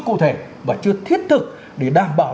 cụ thể và chưa thiết thực để đảm bảo